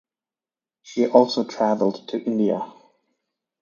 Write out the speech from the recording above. She also traveled to India.